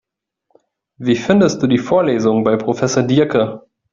Wie findest du die Vorlesungen bei Professor Diercke?